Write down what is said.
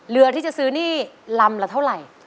เรือที่จะซื้อนี่ลำละเท่าไหร่